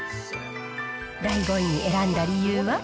第５位に選んだ理由は。